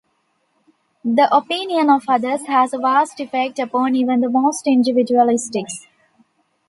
The opinion of others has a vast effect upon even the most individualistic.